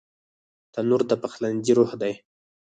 تنور د پخلنځي روح دی